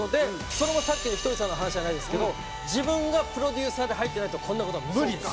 それもさっきのひとりさんの話じゃないですけど自分がプロデューサーで入ってないとこんな事は無理です。